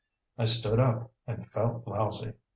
I stood up and felt lousy.